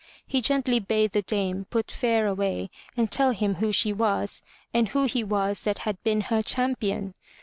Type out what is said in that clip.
He gently bade the dame put fear away and tell him who she was, and who he was that had been her champion.